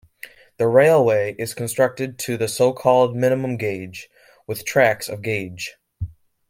The railway is constructed to the so-called minimum gauge, with tracks of gauge.